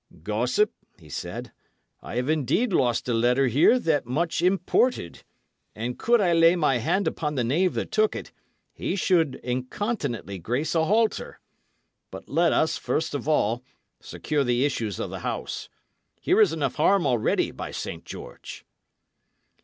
"Gossip," he said, "I have indeed lost a letter here that much imported; and could I lay my hand upon the knave that took it, he should incontinently grace a halter. But let us, first of all, secure the issues of the house. Here is enough harm already, by St. George!"